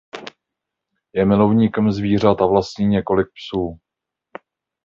Je milovníkem zvířat a vlastní několik psů.